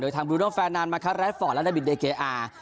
โดยทำบรูดองค์แฟนนานมะคะแรดฟอร์ตและนาบินเอเกอร์อาร์